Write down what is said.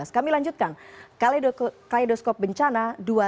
kami lanjutkan kaleidoskop bencana dua ribu tujuh belas